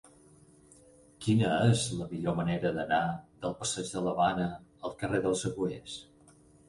Quina és la millor manera d'anar del passeig de l'Havana al carrer dels Agullers?